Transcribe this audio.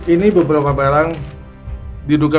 ini beberapa kondisi yang terjadi di luar negara